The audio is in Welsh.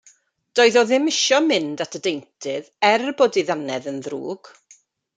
Doedd o ddim isio mynd at y deintydd er bod 'i ddannedd yn ddrwg.